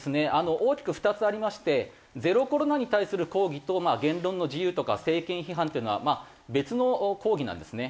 大きく２つありましてゼロコロナに対する抗議と言論の自由とか政権批判っていうのは別の抗議なんですね。